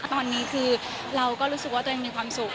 ตอนนี้คือเราก็รู้สึกว่าตัวเองมีความสุข